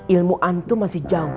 ilmu antum masih jam